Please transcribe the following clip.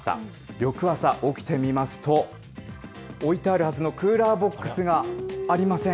翌朝、起きてみますと、置いてあるはずのクーラーボックスがありません。